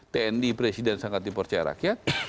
tni presiden sangat dipercaya rakyat